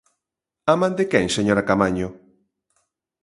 ¿A man de quen, señora Caamaño?